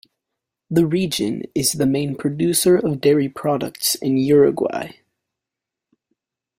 The region is the main producer of dairy products in Uruguay.